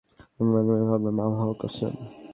আমি মনে মনে বললাম, আল্লাহর কসম!